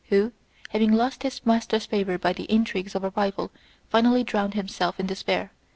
314) who, having lost his master's favour by the intrigues of a rival, finally drowned himself in despair.